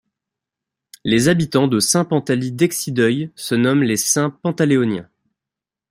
Les habitants de Saint-Pantaly-d'Excideuil se nomment les Saint-Pantaléoniens.